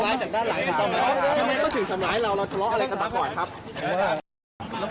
ได้ไม่ที่ทำร้ายเราเราตลอดอะไรกันนะ